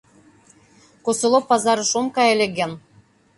Косолоп пазарыш ом кай ыле гын